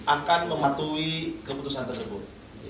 akan mematuhi keputusan tersebut